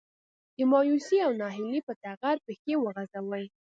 د مايوسي او ناهيلي په ټغر پښې وغځوي.